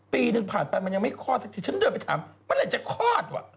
ปีหนึ่งผ่านไปมันยังไม่คลอดสักทีฉันเดินไปถามเมื่อไหร่จะคลอดว่ะ